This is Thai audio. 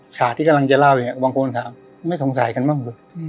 ขาดที่กำลังจะเล่าอย่างเงี้ยบางคนค่ะไม่สงสัยกันบ้าง